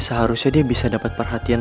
seharusnya dia bisa dapat perhatian